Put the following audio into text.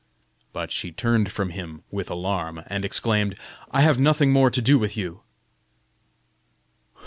But she turned from him with alarm, and exclaimed: "I have nothing more to do with you."